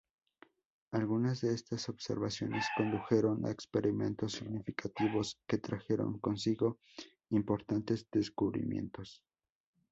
Algunas de estas observaciones condujeron a experimentos significativos que trajeron consigo importantes descubrimientos.